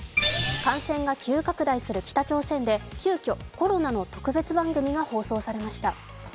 感染が急拡大する北朝鮮で急きょ、コロナの特別番組が放送されました。